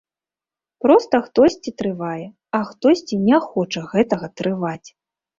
Проста хтосьці трывае, а хтосьці не хоча гэтага трываць.